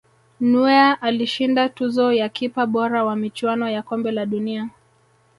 neuer alishinda tuzo ya kipa bora wa michuano ya kombe la dunia